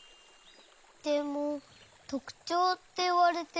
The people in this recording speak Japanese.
でもとくちょうっていわれても。